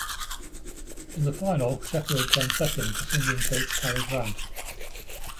In the final, Sheffield came second to singing coach Carrie Grant.